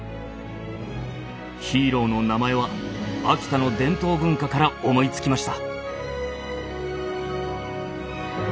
ヒーローの名前は秋田の伝統文化から思いつきました。